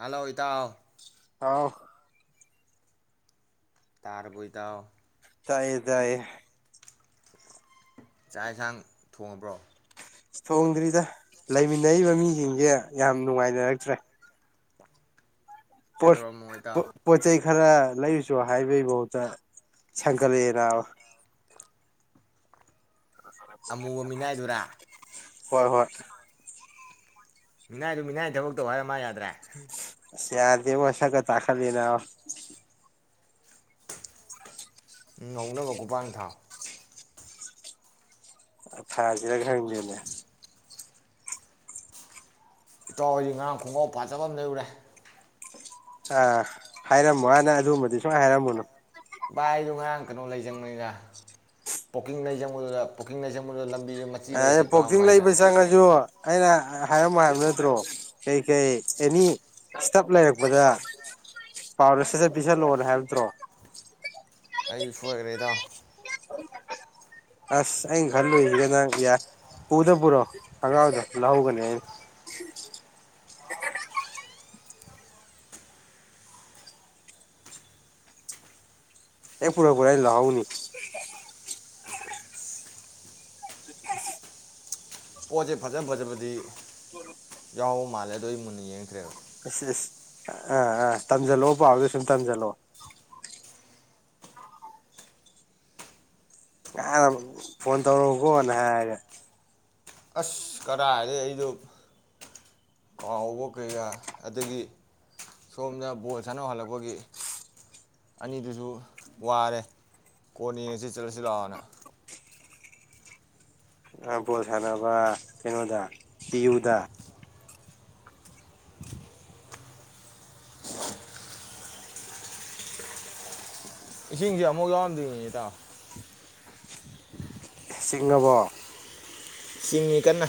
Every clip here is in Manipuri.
ꯍꯜꯂꯣ ꯏꯇꯥꯎ꯫ ꯍꯥꯎ ꯇꯥꯔꯕꯣ ꯏꯇꯥꯎ꯫ ꯇꯥꯏꯌꯦ ꯇꯥꯏꯌꯦ꯫ ꯆꯥꯛ ꯌꯦꯟꯁꯥꯡ ꯊꯣꯡꯉꯕ꯭ꯔꯣ꯫ ꯊꯣꯡꯗ꯭ꯔꯤꯗ ꯂꯩꯃꯤꯟꯅꯔꯤꯕ ꯃꯤꯁꯤꯡꯁꯦ ꯌꯥꯝ ꯅꯨꯡꯉꯥꯏꯅꯔꯛꯇ꯭ꯔꯦ꯫ ꯄꯣꯠ ꯀꯩꯗꯧꯔꯝꯃꯣ ꯏꯇꯥꯎ ꯄ ꯄꯣꯠꯆꯩ ꯈꯔ ꯂꯩꯔꯨꯆꯣ ꯍꯥꯏꯕꯩ ꯐꯥꯎꯕꯇ ꯁꯪꯒꯠꯂꯛꯑꯦ ꯅꯕꯥ꯫ ꯑꯃꯨꯕ ꯃꯤꯅꯥꯏꯗꯨꯔꯥ ꯍꯣꯏ ꯍꯣꯏ ꯃꯤꯅꯥꯏꯗꯨ ꯃꯤꯅꯥꯏ ꯊꯕꯛ ꯇꯧ ꯍꯥꯏꯔ ꯃꯥ ꯌꯥꯗ꯭ꯔꯦ ꯌꯥꯗꯦꯕꯣ ꯁꯀꯥ ꯇꯥꯈꯠꯂꯦ ꯅꯕꯥ ꯉꯧꯅꯕ ꯒꯨꯄꯥꯛꯅ ꯊꯥꯎ ꯑ ꯊꯥꯖꯤꯔ ꯈꯪꯗꯦꯅꯦ ꯏꯇꯥꯎ ꯑꯩꯗꯤ ꯉꯔꯥꯡ ꯈꯣꯡꯒ꯭ꯔꯥꯎ ꯐꯥꯖꯕ ꯑꯃ ꯂꯩꯔꯨꯔꯦ ꯑ ꯍꯥꯏꯔꯝꯃꯣ ꯍꯥꯏꯅ ꯑꯗꯨꯒꯨꯝꯕꯗꯤ ꯁꯨꯍꯥꯏ ꯍꯥꯏꯔꯝꯃꯨꯅꯨ ꯚꯥꯏ ꯑꯩꯗꯣ ꯉꯔꯥꯡ ꯀꯩꯅꯣ ꯂꯩꯆꯪꯕꯅꯤꯗ ꯄꯣꯛꯀꯤꯡ ꯂꯩꯖꯪꯕꯗꯨꯗ ꯄꯣꯀꯤꯡ ꯂꯩꯖꯪꯕꯗꯨꯗ ꯂꯝ ꯑꯦ ꯄꯣꯛꯀꯤꯡ ꯂꯩꯕ ꯆꯪꯉꯁꯨ ꯑꯩꯅ ꯍꯥꯏꯔꯝꯃꯣ ꯍꯥꯏꯕ ꯅꯠꯇ꯭ꯔꯣ ꯀꯩ ꯀꯩ ꯑꯦꯅꯤ ꯁꯇꯞ ꯂꯩꯔꯛꯄꯗ ꯄꯥꯎꯗ ꯁꯠꯖꯠ ꯄꯤꯁꯜꯂꯣꯑꯣꯅ ꯍꯥꯏꯕ ꯅꯠꯇ꯭ꯔꯣ ꯑꯩ ꯁꯣꯏꯈ꯭ꯔꯦ ꯏꯇꯥꯎ ꯑꯁ ꯑꯩꯅ ꯈꯜꯂꯨꯏꯁꯤꯒ ꯂ ꯅꯪ ꯌꯥ ꯄꯨꯗ ꯄꯨꯔꯣ ꯑꯉꯥꯡꯗꯣ ꯂꯧꯍꯧꯒꯅꯦ ꯑꯩꯅ ꯑꯦꯛ ꯄꯨꯔꯥꯛꯄꯒ ꯑꯩꯅ ꯂꯧꯍꯧꯅꯤ ꯄꯣꯠꯁꯦ ꯐꯖ ꯐꯖꯕꯗꯤ ꯌꯥꯎꯕ ꯃꯥꯜꯂꯦ ꯑꯗꯣ ꯑꯩ ꯃꯨꯟꯅ ꯌꯦꯡꯉꯛꯇ꯭ꯔꯦꯕ ꯏꯁ ꯏꯁ ꯑꯥ ꯑꯥ ꯇꯝꯖꯜꯂꯛꯑꯣ ꯄꯥꯎꯗ ꯁꯨꯝ ꯇꯝꯖꯜꯂꯛꯑꯣ ꯉꯍꯜ ꯐꯣꯟ ꯇꯧꯔꯛꯎꯀꯣ ꯅ ꯍꯥꯏꯔꯒ ꯑꯁ ꯀꯔꯥꯏꯗꯩ ꯑꯩꯗꯣ ꯀꯥꯎꯕ ꯀꯌꯥ ꯑꯗꯒꯤ ꯁꯣꯝꯗ ꯕꯣꯜ ꯁꯥꯟꯅꯧ ꯍꯜꯂꯛꯄꯒꯤ ꯑꯅꯤꯗꯨꯁꯨ ꯋꯥꯔꯦ ꯀꯣꯟ ꯌꯦꯉꯁꯤ ꯆꯠꯂꯁꯤ ꯂꯥꯛꯑꯣꯅ ꯕꯣꯜ ꯁꯥꯟꯅꯕ ꯀꯩꯅꯣꯗ ꯇꯤꯌꯨꯗ ꯏꯁꯤꯡꯁꯦ ꯑꯃꯨꯛ ꯌꯥꯎꯔꯝꯗꯦꯅꯦ ꯏꯇꯥꯎ ꯁꯤꯡꯉꯥꯕꯣ ꯆꯤꯡꯉꯤ ꯀꯟꯅ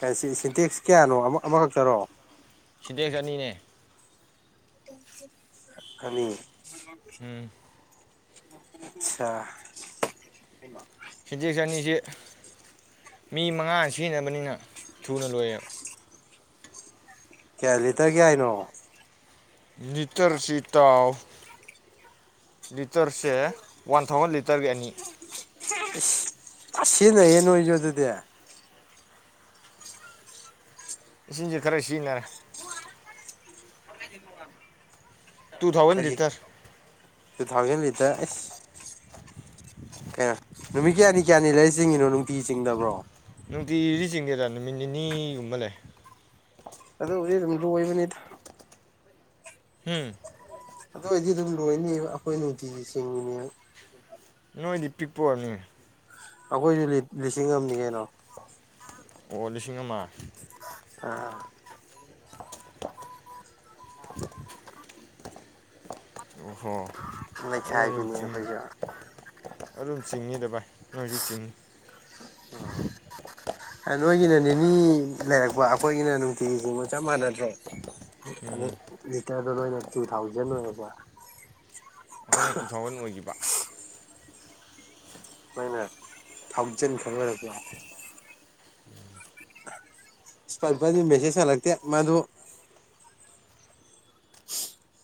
ꯁꯤꯟ ꯁꯤꯟ ꯁꯤꯟꯇꯦꯛꯁ ꯀꯌꯥꯅꯣ ꯑꯃ ꯑꯃꯈꯛꯇꯔꯣ ꯁꯤꯇꯦꯛꯁ ꯑꯅꯤꯅꯦ ꯑꯅꯤ ꯎꯝ ꯑꯆꯥ [unintelligible] ꯁꯤꯟꯇꯦꯛꯖ ꯑꯅꯤꯁꯦ ꯃꯤ ꯃꯉꯥꯅ ꯁꯤꯖꯤꯟꯅꯕꯅꯤꯅ ꯊꯨꯅ ꯂꯣꯏꯌꯦꯕ ꯀꯌꯥꯂꯤꯇꯔ ꯀꯌꯥꯏꯅꯣ ꯂꯤꯇꯔꯁꯤ ꯏꯇꯥꯎ ꯂꯤꯇꯔꯁꯦ ꯋꯥꯟ ꯊꯥꯎꯖꯟ ꯂꯤꯇꯔꯒꯤ ꯑꯅꯤ ꯏꯁ ꯑꯁ ꯁꯤꯖꯤꯅꯩꯌꯦ ꯅꯣꯏꯖꯨ ꯑꯗꯨꯗꯤ ꯏꯁꯤꯡꯁꯦ ꯈꯔ ꯁꯤꯖꯤꯟꯅꯔꯦ [unintelligible] ꯇꯨ ꯊꯥꯎꯖꯟ ꯀꯔꯤ ꯂꯤꯇꯔ ꯇꯨ ꯊꯥꯎꯖꯟ ꯂꯤꯇꯔ ꯑꯦꯁ ꯀꯩꯅꯣ ꯅꯨꯃꯤꯠ ꯀꯌꯥꯅꯤ ꯀꯌꯥꯅꯤ ꯂꯩꯔꯤ ꯆꯤꯡꯉꯤꯅꯣ ꯅꯨꯡꯇꯤ ꯆꯤꯡꯗꯕ꯭ꯔꯣ ꯅꯨꯡꯇꯤꯒꯤꯗꯤ ꯆꯤꯡꯗꯦꯗ ꯅꯨꯃꯤꯠ ꯅꯤꯅꯤꯒꯨꯝꯕ ꯂꯩ ꯑꯗꯨꯕꯨꯗꯤ ꯑꯗꯨꯝ ꯂꯣꯏꯕꯅꯤꯗ ꯍꯨꯝ ꯑꯗꯨ ꯑꯣꯏꯗꯤ ꯑꯗꯨꯝ ꯂꯣꯏꯅꯤꯕ ꯑꯩꯈꯣꯏ ꯅꯨꯡꯇꯤꯒꯤ ꯆꯤꯡꯉꯤꯅꯦꯕ ꯅꯣꯏꯗꯤ ꯄꯤꯛꯄꯣꯛꯑꯣꯏꯅꯤ ꯑꯩꯈꯣꯏꯗꯤ ꯂꯤ ꯂꯤꯁꯤꯡ ꯑꯃꯅꯤ ꯀꯩꯅꯣ ꯑꯣ ꯂꯤꯁꯤꯡ ꯑꯃ ꯑ [inaudible] ꯑꯣꯍꯣ ꯂꯩꯈꯥꯏꯕꯤꯅꯦ ꯆꯤꯡ ꯑꯩꯈꯣꯏꯁꯨ ꯑꯗꯨꯝ ꯆꯤꯡꯏꯤꯗ ꯚꯥꯏ ꯅꯣꯏꯁꯨ ꯆꯤꯡꯏꯤ ꯑꯣ ꯅꯣꯏꯒꯤꯅ ꯅꯤꯅꯤ ꯂꯩꯔꯛꯄ ꯑꯩꯈꯣꯏꯒꯤꯅ ꯅꯨꯡꯇꯤꯒꯤꯁꯤꯡꯒ ꯆꯞ ꯃꯥꯟꯅꯗ꯭ꯔꯦ ꯑ ꯎꯝ ꯂꯤꯇꯔꯗ ꯅꯣꯏꯅ ꯇꯨ ꯊꯥꯎꯖꯟ ꯑꯣꯏꯣꯏꯌꯦꯔꯕ ꯑꯩꯈꯣꯏꯅ ꯇꯨ ꯊꯥꯎꯖꯟ ꯑꯣꯏꯈꯤꯕ ꯃꯣꯏꯅ ꯊꯥꯎꯖꯟ ꯈꯪ ꯑꯣꯏꯔꯕ ꯁ ꯄꯗꯤ ꯃꯦꯁꯦꯁ ꯍꯟꯂꯛꯛꯇꯦ ꯃꯗꯨ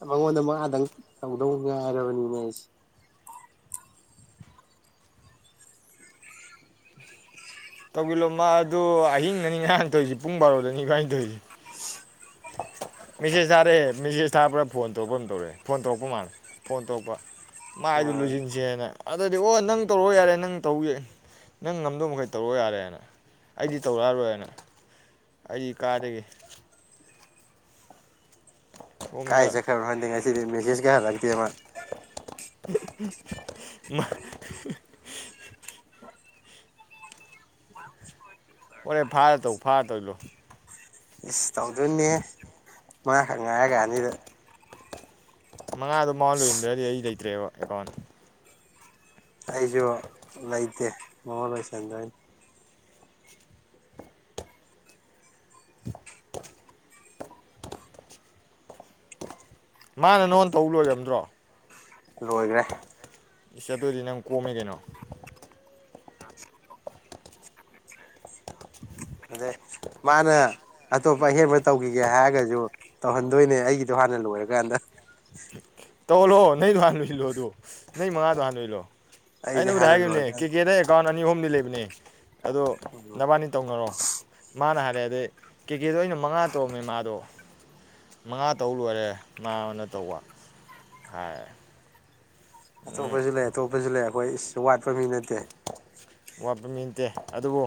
ꯃꯉꯣꯟꯗ ꯃꯥꯗꯪ ꯇꯧꯗꯧ ꯉꯥꯏꯔꯕꯅꯤꯅ ꯑꯩꯁꯦ ꯇꯧꯁꯤꯟꯂꯣ ꯃꯥ ꯑꯗꯨ ꯑꯍꯤꯡꯗꯅꯤꯒꯔꯥ ꯍꯊꯣꯏꯁꯤ ꯄꯨꯡ ꯕꯥꯔꯣꯗꯅꯤ ꯈ ꯍꯅꯤꯊꯣꯏꯁꯤ ꯃꯦꯁꯦꯖ ꯊꯥꯔꯛꯦ ꯃꯦꯁꯦꯖ ꯊꯥꯕ꯭ꯔꯥ ꯐꯣꯟ ꯇꯧꯛꯄ ꯑꯃ ꯇꯧꯔꯛꯦ ꯐꯣꯟ ꯇꯧꯔꯛꯄ ꯃꯥꯜꯂꯦ ꯐꯣꯟ ꯇꯧꯔꯛꯄ ꯃꯥꯏꯗꯨ ꯑꯥ ꯂꯣꯏꯁꯤꯟꯁꯦꯅ ꯑꯗꯨꯗꯗꯤ ꯑꯣ ꯅꯪ ꯇꯧꯔꯣ ꯌꯥꯔꯦ ꯅꯪ ꯇꯧꯒꯦ ꯅꯪ ꯉꯝꯗꯧ ꯃꯈꯩ ꯇꯧꯔꯛ ꯌꯥꯔꯦꯅ ꯑꯩꯗꯤ ꯇꯧꯔꯛꯑꯔꯣꯏꯅ ꯑꯩ ꯀꯥꯗꯒꯤ ꯁꯣꯝꯗ ꯀꯥꯏꯁꯦꯈ꯭ꯔꯅꯣ ꯈꯟꯗꯦ ꯉꯁꯤꯗꯤ ꯃꯦꯁꯦꯖꯀ ꯍꯜꯂꯛꯇꯦꯕ ꯃꯥ ꯍꯣꯔꯦ ꯐꯥꯔ ꯇꯧ ꯐꯥꯔ ꯇꯧ ꯏꯂꯣ ꯇꯧꯗꯣꯏꯅꯦ ꯃꯥꯈꯛ ꯉꯥꯏꯔꯒ ꯑꯅꯤꯗ ꯃꯉꯥꯗꯣ ꯃꯥꯥꯎꯟ ꯂꯣꯏꯔꯝꯗ꯭ꯔꯗꯤ ꯑꯩ ꯂꯩꯇ꯭ꯔꯦꯕ ꯑꯦꯀꯥꯎꯟ ꯑꯩꯁꯨ ꯂꯩꯇꯦ ꯃꯉꯣꯟ ꯂꯣꯏꯁꯟꯗꯣꯏꯅꯤ ꯃꯥꯅ ꯅꯉꯣꯟ ꯇꯧ ꯂꯣꯏꯔꯝꯗ꯭ꯔꯣ ꯂꯣꯏꯈ꯭ꯔꯦ ꯑꯗꯨ ꯑꯣꯢꯗꯤ ꯅꯪ ꯀꯣꯝꯃꯦ ꯀꯩꯅꯣ ꯑ [inaudible] [inaudible] ꯑꯗ ꯃꯥꯅꯦ ꯑꯇꯣꯞꯄ ꯑꯍꯦꯟꯕ ꯇꯧꯈꯤꯒꯦ ꯍꯥꯏꯔꯒꯁꯨ ꯇꯧꯍꯟꯗꯣꯏꯅꯦ ꯑꯩꯒꯤꯗꯣ ꯍꯥꯟꯅ ꯂꯣꯏꯔꯀꯥꯟꯗ ꯇꯧ ꯑꯣꯜꯂꯣꯑꯣ ꯅꯪꯗ ꯍꯥꯟ ꯂꯣꯏ ꯏꯜꯂꯣ ꯑꯗꯨ ꯅꯪ ꯃꯉꯥꯗꯣ ꯍꯥꯟ ꯂꯣꯏ ꯏꯜꯂꯣ ꯑꯩꯁꯦ ꯑꯩꯅꯕꯨꯗꯤ ꯍꯥꯟꯅ ꯍꯥꯏꯈꯤꯕꯅꯦ ꯀꯦ ꯂꯣꯏꯔꯀꯥꯟꯗ ꯀꯦꯗ ꯑꯦꯀꯥꯎꯟ ꯑꯅꯤ ꯑꯍꯨꯝꯗꯤ ꯂꯩꯕꯅꯦ ꯑꯗꯣ ꯎꯝ ꯅꯕꯥꯅꯤ ꯇꯧꯅꯔꯣ ꯃꯥꯅ ꯍꯥꯏꯔꯛꯦ ꯑꯗꯩ ꯀꯦꯀꯦꯗꯣ ꯑ ꯑꯣꯏꯅ ꯃꯉꯥ ꯇꯣꯑꯝꯃꯦ ꯃꯥꯗꯣ ꯃꯉꯥ ꯇꯧ ꯂꯣꯏꯔꯦ ꯃꯥꯅ ꯇꯧꯕ ꯍꯥꯏ ꯎꯝ ꯑꯇꯣꯞꯄꯁꯨ ꯂꯩ ꯑꯇꯣꯞꯄꯁꯨ ꯂꯩ ꯑꯩꯈꯣꯏ ꯏꯁꯁꯨ ꯋꯥꯠꯄ ꯃꯤ ꯅꯠꯇꯦ ꯋꯥꯠꯄ ꯃꯤ ꯅꯠꯇꯦ ꯑꯗꯨꯕꯨ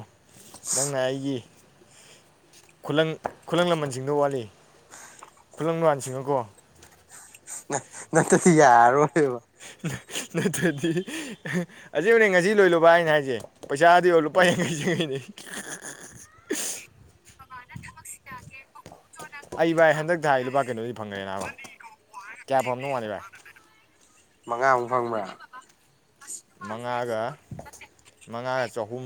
ꯅꯪꯅ ꯑꯩꯒꯤ ꯈꯨꯂꯪ ꯈꯨꯂꯪ ꯂꯃꯟꯁꯤꯡꯗꯣ ꯋꯥꯠꯂꯤ ꯈꯨꯂꯪ ꯂꯟꯁꯤꯡꯅꯀꯣ ꯅꯠꯇ ꯌꯥꯔ ꯑꯣꯏꯕ ꯅꯠꯇ꯭ꯔꯗꯤ ꯑꯁꯤꯕꯅꯦ ꯉꯁꯤ ꯂꯣꯏꯂꯨꯕ ꯍꯥꯏꯅ ꯍꯥꯏꯁꯦ ꯄꯩꯁꯥꯗꯤ ꯂꯨꯄꯥ ꯎꯝ ꯌꯥꯡꯈꯩ ꯌꯥꯡꯈꯩꯅꯤ [inaudible] ꯑꯩ ꯚꯥꯏ ꯍꯟꯗꯛꯇ ꯊ ꯍꯥꯏ ꯂꯨꯄꯥ ꯀꯩꯅꯣꯗꯤ ꯐꯪꯈ꯭ꯔꯦꯅꯥꯕꯣ ꯀꯌꯥ ꯐꯝꯅꯣ ꯃꯥꯅꯤ ꯚꯥꯏ ꯃꯉꯥꯃꯨꯛ ꯐꯪꯕ꯭ꯔꯥ ꯃꯉꯥꯒ ꯃꯉꯥꯒ ꯆꯍꯨꯝ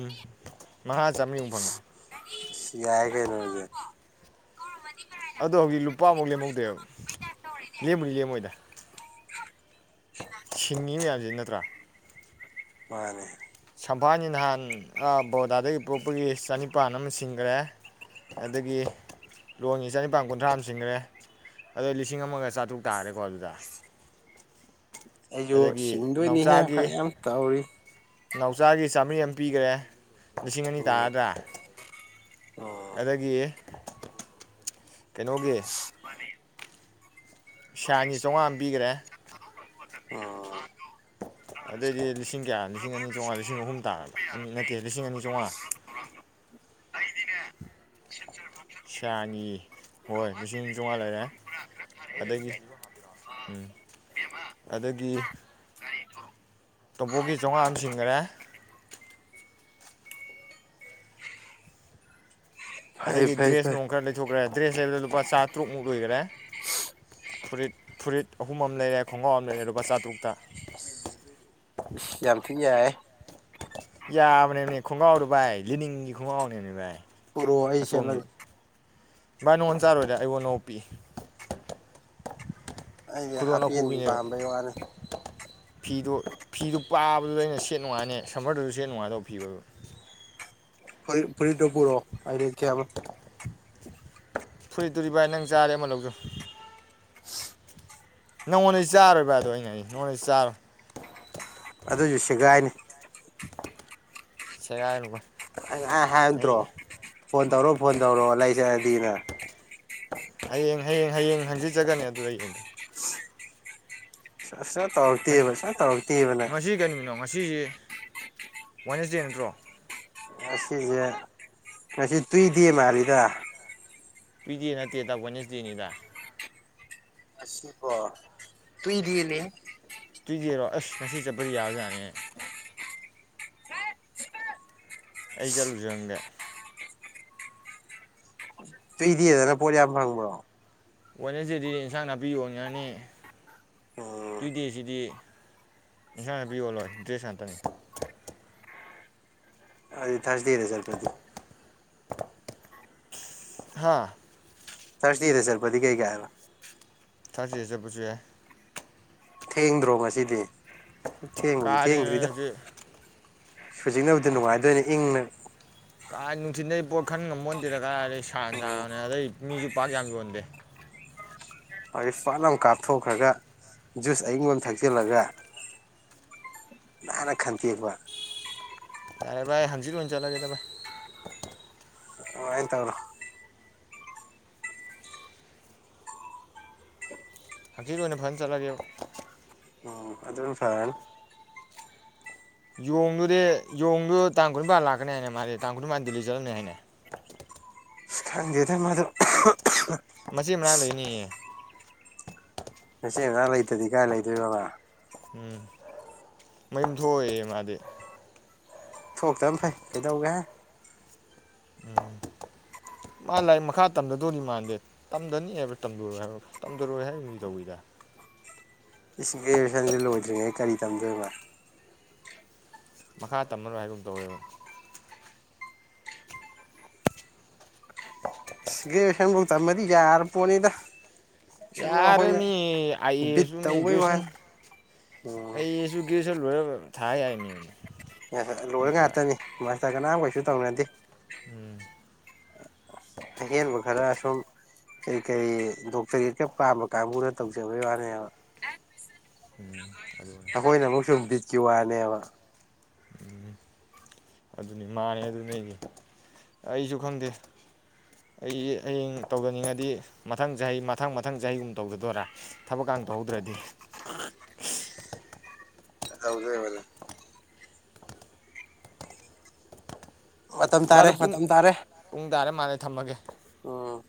ꯃꯉꯥ ꯆꯥꯝꯔꯤꯃꯨꯛ ꯐꯪꯉꯦ ꯁꯤ ꯌꯥꯏ ꯀꯩꯩꯅꯅꯨꯡꯦ ꯑꯗꯣ ꯍꯧꯖꯤꯛ ꯂꯨꯄꯥꯃꯨꯛ ꯂꯦꯝꯍꯧꯗꯦꯕ ꯂꯦꯝꯕꯨꯅꯤ ꯂꯦꯝꯃꯣꯏꯗ ꯁꯤꯡꯃꯤ ꯃꯌꯥꯝꯁꯤ ꯅꯠꯇ꯭ꯔꯥ ꯃꯥꯅꯦ ꯁꯝꯐꯥꯅꯤ ꯅꯍꯥꯟ ꯕꯣꯗꯥꯗꯒꯤ ꯄꯣꯛꯄꯒꯤ ꯆꯅꯤꯄꯥꯟ ꯑꯃ ꯁꯤꯡꯈ꯭ꯔꯦ ꯑꯗꯒꯤ ꯂꯣꯡꯒꯤ ꯆꯅꯤꯄꯥꯥꯟ ꯀꯨꯟꯊ꯭ꯔꯥ ꯑꯃ ꯆꯤꯡꯈ꯭ꯔꯦ ꯑꯗꯣ ꯂꯤꯁꯤꯡ ꯑꯃꯒ ꯆꯥꯇ꯭ꯔꯨꯛ ꯇꯥꯔꯦꯀꯣ ꯑꯗꯨꯗ ꯑꯩꯁꯨ ꯑꯗꯒꯤ ꯁꯤꯡꯗꯣꯏꯅꯤꯍꯦ ꯅꯥꯎꯆꯥꯒꯤ ꯐꯔ ꯌꯥꯝ ꯇꯧꯔꯤ ꯅꯥꯎꯆꯥꯒꯤ ꯆꯥꯃꯔꯤ ꯑꯃ ꯄꯤꯈꯔꯦ ꯂꯤꯁꯤꯡ ꯑꯅꯤ ꯎꯝ ꯇꯥꯥꯗ꯭ꯔꯥ ꯎꯝ ꯑꯗꯒꯤ ꯀꯩꯅꯣꯒꯤ ꯃꯥꯅꯤ ꯄꯩꯁ ꯑꯅꯤ ꯆꯥꯝꯃꯉꯥ ꯑꯃ ꯄꯤꯈ꯭ꯔꯦ ꯑꯣ ꯑꯗꯨꯑꯣꯏꯗꯤ ꯂꯤꯁꯤꯡ ꯀꯌꯥ ꯂꯤꯁꯤꯡ ꯑꯅꯤ ꯆꯥꯝꯃꯉꯥ ꯂꯤꯁꯤꯡ ꯑꯍꯨꯝ ꯇꯥꯔꯕ ꯑꯅꯤ ꯅꯠꯇꯦ ꯂꯤꯁꯤꯡ ꯑꯅꯤ ꯆꯥꯝꯃꯉꯥ ꯁꯥꯏꯅꯤ ꯍꯣꯏ ꯂꯤꯁꯤꯡ ꯧꯍꯗꯤꯔ꯭ꯔ ꯑꯅꯤ ꯆꯥꯝꯃꯉꯥ ꯊꯔ ꯎꯝ ꯑꯗꯒꯤ ꯇꯣꯝꯄꯣꯛꯒꯤ ꯆꯥꯝꯃꯉꯥꯅ ꯁꯤꯡꯈꯔꯦ ꯐꯩ ꯑꯗꯒꯤ ꯐꯩ ꯗ꯭ꯔꯦꯁ ꯐꯩ ꯅꯨꯡ ꯈꯔ ꯂꯩꯊꯣꯛꯈ꯭ꯔꯦ ꯗ꯭ꯔꯦꯁ ꯂꯩꯕꯗ ꯂꯨꯄꯥ ꯆꯥ ꯇꯔꯨꯛꯃꯨꯛ ꯂꯣꯏꯈꯔꯦ ꯐꯨꯔꯤꯠ ꯐꯨꯔꯤꯠ ꯑꯍꯨꯝ ꯑꯃ ꯂꯩꯔꯦ ꯈꯣꯡꯒ꯭ꯔꯥꯎ ꯑꯃ ꯂꯩꯔꯦ ꯂꯨꯄꯥ ꯆꯥꯇꯔꯨꯛꯇ ꯌꯥ ꯌꯥꯝꯊ ꯌꯥꯏ ꯌꯥꯝꯕꯅꯦꯅꯦ ꯈꯣꯡꯒꯥꯎꯗ ꯚꯥꯏ ꯂꯤꯅꯤꯡꯒꯤ ꯈꯣꯡꯒꯥꯎꯅꯦꯕꯅꯦ ꯚꯥꯏ ꯄꯨꯔꯛꯑꯣ ꯑꯩ ꯑꯁꯣꯝꯗꯤ ꯁꯦꯠꯂꯒꯦ ꯚꯥꯏ ꯅꯉꯣꯟ ꯆꯥꯔꯣꯏꯗꯦ ꯑꯩꯕꯨ ꯅꯣꯡ ꯄꯤꯛ ꯑꯩꯗꯤ ꯍꯥꯞꯄꯤ ꯄꯥꯝꯕꯩ ꯋꯥꯅꯤ ꯐꯤꯗꯨꯣ ꯐꯤꯗꯨ ꯄꯥꯕꯗ ꯑꯩꯅ ꯁꯦꯠ ꯅꯨꯡꯉꯥꯏꯅꯦ ꯁꯝꯃꯔꯗꯨꯁꯨ ꯁꯦꯠ ꯅꯨꯡꯉꯥꯏꯗꯧꯕ ꯐꯤꯕꯗꯨ ꯐꯨꯔꯤ ꯐꯨꯔꯤꯠꯇꯣ ꯄꯨꯔꯣꯑꯣ ꯍꯥꯏꯗꯤ ꯀꯌꯥ ꯐꯨꯔꯤ ꯇꯨꯔꯤ ꯚꯥꯏ ꯅꯪ ꯆꯥꯔꯦ ꯑꯃ ꯂꯧꯗꯣ ꯅꯉꯣꯟꯗꯩ ꯆꯥꯔꯣꯏꯕ ꯑꯗꯣ ꯑꯩꯅ ꯑꯩ ꯅꯉꯣꯟꯗꯩ ꯆꯥꯔꯣꯏ ꯑꯗꯨꯁꯨ ꯁꯦꯒꯥꯏꯅꯤ ꯁꯦ ꯀꯥꯏꯀꯣ ꯑꯩ ꯍꯥꯏꯗ꯭ꯔꯣ ꯐꯣꯟ ꯇꯧꯔꯣ ꯐꯣꯟ ꯇꯧꯔꯣ ꯂꯩꯖꯔꯗꯤꯅꯦ ꯍꯌꯦꯡ ꯍꯌꯦꯡ ꯍꯌꯦꯡ ꯍꯪꯆꯖꯒꯅꯤ ꯑꯗꯨꯗ ꯌꯦꯡꯒꯦ ꯁ ꯇꯔꯛꯛꯇꯤ ꯍꯕ ꯁ ꯇꯔꯛꯛꯇꯤ ꯍꯕꯅꯦ ꯒꯃꯤꯅꯣ ꯉꯁꯤꯁ ꯋꯥꯏꯅꯁ ꯗꯦ ꯅꯠꯇ꯭ꯔꯣ ꯉꯁꯤꯁꯦ ꯉꯁꯤ ꯇꯨꯏꯗꯦ ꯃꯥꯔꯤꯗ ꯄꯤꯗꯦ ꯅꯠꯇꯦ ꯇꯕ ꯅꯦꯁꯗꯦꯅꯤꯗ ꯑ ꯀ ꯇꯨꯗꯤꯅꯦ ꯇꯨꯏ ꯌꯦꯔꯣ ꯑꯁ ꯉꯁꯤ ꯆꯠꯄꯗꯤ ꯌꯥꯕꯖꯥꯠꯅꯦ ꯑꯩ ꯆꯠꯂꯨꯖꯪꯒꯦ ꯁꯨꯏꯗꯤꯦꯗꯅ ꯄꯣꯠ ꯌꯥꯝ ꯐꯪꯕ꯭ꯔꯣ ꯋꯦꯅꯦꯁꯗꯦꯗꯤ ꯏꯟꯁꯥꯡ ꯅꯥꯄꯤ ꯌꯣꯟꯉꯉꯅꯤ ꯎꯝ ꯇꯨꯏ ꯗꯦꯁꯤꯗꯤ ꯏꯟꯁꯥꯡ ꯍꯥꯅꯥꯄꯤꯌꯣꯜꯂꯣꯏ ꯗ꯭ꯔꯦꯁ ꯉꯥꯛꯇꯅꯤ ꯑꯗꯨꯗꯤ ꯊꯥꯔꯁꯗꯦꯔꯦ ꯆꯔꯄꯗꯤ ꯍꯥꯥ ꯊꯔꯁꯇꯗꯤꯗ ꯆꯔꯄꯗꯤ ꯀꯩ ꯀꯥꯏꯕ ꯊꯥꯖ ꯆꯠꯄꯁꯨ ꯌꯥꯏ ꯊꯦꯡꯗ꯭ꯔꯣ ꯉꯁꯤꯗꯤ ꯊꯦꯡꯕꯗꯤ ꯊꯦꯡꯗ꯭ꯔꯤꯗ ꯀꯥꯗꯅꯁꯨ ꯍꯧꯖꯤꯛꯅꯕꯨꯗꯤ ꯅꯨꯡꯉꯥꯏꯗꯣꯏꯅꯦ ꯏꯪꯅ ꯀꯥꯏ ꯅꯨꯡꯊꯤꯤꯟꯗꯩ ꯄꯣꯠ ꯈꯟ ꯉꯝꯃꯣꯟꯗꯦꯗ ꯀꯥꯏ ꯑꯗꯩ ꯁꯥꯡꯅ ꯎꯝ ꯁꯥꯕꯅꯦ ꯑꯗꯩ ꯃꯤꯁꯨ ꯄꯥꯛ ꯌꯥꯝ ꯌꯣꯟꯗꯦ ꯑꯩꯏ ꯐꯠ ꯂꯧ ꯀꯥꯞꯊꯣꯛꯈ꯭ꯔꯒ ꯖꯨꯁ ꯑꯌꯤꯡꯕꯣ ꯑꯃ ꯊꯛꯆꯤꯜꯂꯒ ꯅꯥꯅ ꯈꯟꯇꯦꯛꯄ ꯚꯥꯏ ꯍꯪꯆꯤꯠ ꯑꯣꯏꯅ ꯆꯠꯂꯒꯦꯗ ꯚꯥꯏ [unintelligible] ꯇꯧꯔꯣ ꯍꯪꯆꯤꯠ ꯑꯣꯏꯅ ꯐꯟ ꯆꯠꯂꯒꯦꯕ ꯎꯝ ꯑꯗꯨꯅ ꯐꯔꯅꯤ ꯌꯣꯡꯗꯨꯗꯤ ꯌꯣꯡꯗꯨ ꯇꯥꯡ ꯀꯨꯟꯅꯤꯄꯥꯟ ꯂꯥꯛꯀꯅꯤ ꯍꯥꯏꯅ ꯃꯥꯗꯤ ꯇꯥꯡ ꯀꯨꯟꯅꯤꯄꯥꯟꯗ ꯂꯩ ꯆꯠꯂꯝꯅꯤ ꯍꯥꯏꯅꯦ ꯈꯪꯗꯦꯗ ꯃꯗꯨ ꯃꯆꯦ ꯃꯅꯥ ꯂꯩꯅꯤꯌꯦ ꯃꯆꯦ ꯃꯅꯥꯛ ꯂꯩꯇ꯭ꯔꯗꯤ ꯀꯥꯏ ꯂꯩꯗꯣꯏꯕ ꯃꯥ ꯎꯝ ꯃꯌꯨꯝ ꯊꯣꯛꯑꯦꯏꯌꯦ ꯃꯥꯗꯤ ꯊꯣꯛꯇꯝ ꯐꯩ ꯀꯩꯗꯧꯒꯦ ꯃꯥ ꯂꯥꯏ ꯃꯈꯥ ꯇꯝꯗꯗꯧꯔꯤ ꯃꯥꯟꯗꯦ ꯇꯝꯗꯅꯤ ꯍꯥꯏꯕ ꯇꯝꯗꯔꯣꯏ ꯍꯥꯏꯕ ꯇꯝꯗꯔꯣꯏ ꯍꯥꯏꯔꯤꯕꯅꯤ ꯇꯧꯋꯤꯗ ꯏꯁꯤꯡ ꯀꯨꯁꯟꯁ ꯂꯣꯏꯗ꯭ꯔꯤꯉꯩ ꯀꯒꯥꯔꯤ ꯇꯝꯗꯣꯏꯔꯤꯕꯅ ꯃꯈꯥ ꯇꯝꯅꯔꯣꯏ ꯍꯥꯏꯒꯨꯝ ꯇꯧꯋꯦꯕꯣ ꯁꯤꯒꯦ ꯁꯟꯐꯧ ꯇꯝꯃꯗꯤ ꯌꯥꯔ ꯄꯣꯠꯅꯤꯗ ꯁꯨꯝ ꯌꯥꯔ ꯑꯩꯈꯣꯏꯅ ꯃꯤ ꯑꯥꯏ ꯕꯤꯠ ꯑꯦꯁꯨ ꯑꯣ ꯃꯤ ꯇꯧꯕꯩ ꯒ꯭ꯔꯦꯁꯟ ꯋꯥꯅꯤ ꯎꯝ ꯑꯁ [unintelligible] ꯂꯣꯏꯔꯒ ꯊꯥ ꯌꯥꯏ ꯃꯤ ꯂꯣꯏꯔ ꯅꯠꯇ꯭ꯔꯥ ꯉꯥꯛꯇꯅꯤ ꯃꯥꯁꯇꯔ ꯀꯅꯥꯝ ꯀꯩꯁꯨ ꯇꯧꯅꯗꯦ ꯎꯝ ꯑꯍꯦꯟꯕ ꯈꯔ ꯁꯨꯝ ꯀꯔꯤ ꯀꯔꯤ ꯗꯣꯛꯇꯔꯒꯤ ꯈꯔ ꯄꯥꯝꯕ ꯀꯥꯡꯕꯨꯅ ꯇꯧꯖꯕꯩ ꯋꯥꯅꯦꯕ ꯑꯗꯨꯅꯤ ꯑꯩꯈꯣꯏꯅ ꯑꯃꯨꯛ ꯁꯝ ꯕꯤꯠꯀꯤ ꯋꯥꯅꯦꯕ ꯎꯝ ꯑꯗꯨꯅꯤ ꯃꯥꯅꯦ ꯑꯗꯨꯅꯤ ꯑꯩꯖꯨ ꯈꯪꯗꯦ ꯑꯩ ꯍꯌꯦꯡ ꯇꯧꯖꯅꯤꯡꯉꯗꯤ ꯃꯊꯪ ꯆꯍꯤ ꯃꯊꯪ ꯃꯊꯪ ꯆꯍꯤꯒꯨꯝ ꯇꯧꯖꯗꯣꯏꯔꯥ ꯊꯕꯛꯀꯥꯟ ꯇꯧꯍꯧꯗ꯭ꯔꯗꯤ [unintelligible] ꯃꯇꯝ ꯚꯥꯏ ꯇꯥꯔꯦ ꯑꯗꯣ ꯄꯨꯡ ꯃꯇꯝ ꯇꯥꯔꯦ ꯄꯨꯡ ꯇꯥꯔꯦ ꯃꯥꯜꯂꯦ ꯊꯝꯃꯒꯦ ꯎꯝ